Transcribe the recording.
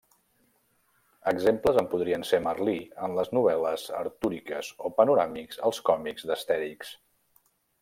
Exemples en podrien ser Merlí en les novel·les artúriques o Panoràmix als còmics d'Astèrix.